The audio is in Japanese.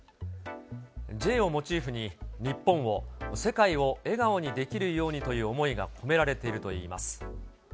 Ｊをモチーフに、日本を、世界を笑顔にできるようにという思いが込められているといいます。